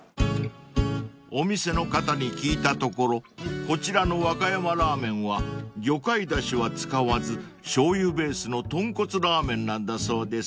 ［お店の方に聞いたところこちらの和歌山ラーメンは魚介だしは使わずしょうゆベースの豚骨ラーメンなんだそうです］